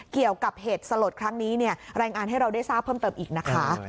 เกี่ยวกับเหตุสลดครั้งนี้เนี่ยรายงานให้เราได้ทราบเพิ่มเติมอีกนะคะ